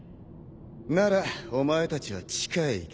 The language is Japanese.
ならお前たちは地下へ行け。